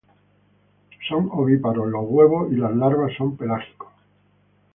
Son ovíparos, los huevos y las larvas son pelágicos.